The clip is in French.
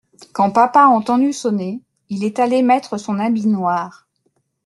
Quand papa a entendu sonner… il est allé mettre son habit noir.